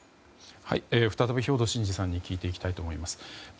再び兵頭慎治さんに聞いていきたいと思います。